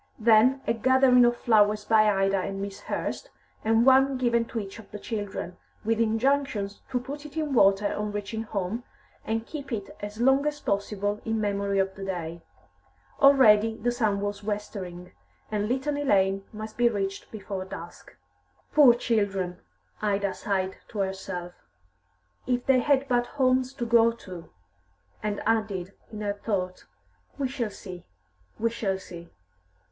Then a gathering of flowers by Ida and Miss Hurst, and one given to each of the children, with injunctions to put it in water on reaching home, and keep it as long as possible in memory of the day. Already the sun was westering, and Litany Lane must be reached before dusk. "Poor children!" Ida sighed to herself. "If they had but homes to go to!" And added, in her thought, "We shall see, we shall see!"